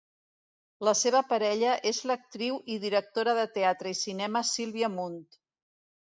La seva parella és l'actriu i directora de teatre i cinema Sílvia Munt.